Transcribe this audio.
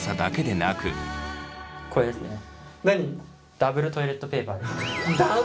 ダブルトイレットペーパーです。